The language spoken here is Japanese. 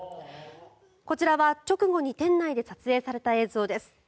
こちらは、直後に店内で撮影された映像です。